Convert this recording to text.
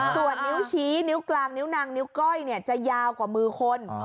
ส่วนนิ้วชี้นิ้วกลางนิ้วนางนิ้วก้อยจะยาวกว่ามือคน